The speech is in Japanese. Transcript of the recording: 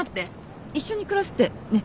一緒に暮らすってねっ？